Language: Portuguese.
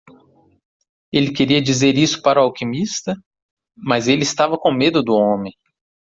Ele queria dizer isso para o alquimista?, mas ele estava com medo do homem.